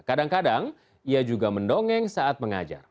kadang kadang ia juga mendongeng saat mengajar